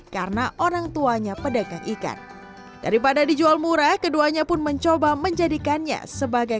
karena orang tuanya pedang ikan daripada dijual murah keduanya pun mencoba menjadikannya sebagai